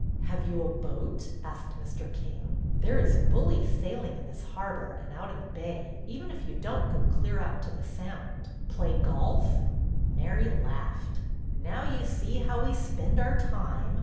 Have you a boat? " asked Mr. King. '' There is bully sailing in this harbor and out in the bay, even if you don't go clear out to the sound. Play golf?" Mary laughed. Now you see how we spend our time.